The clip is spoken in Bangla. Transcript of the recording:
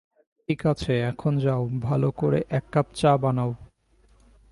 ঠিক আছে এখন যাও, ভালো করে এক কাপ চা বানাও।